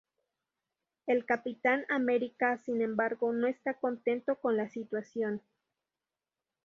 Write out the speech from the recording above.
El Capitán America, sin embargo, no está contento con la situación.